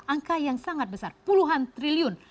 angka yang sangat besar puluhan triliun